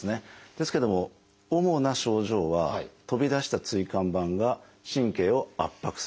ですけども主な症状は飛び出した椎間板が神経を圧迫する。